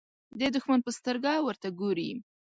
د دښمن په سترګه ورته ګوري.